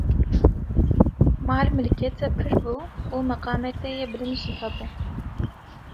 mal, milkê te pir bû û meqamê te yê bilind jî hebû.